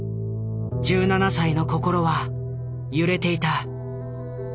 １７歳の心は揺れていた。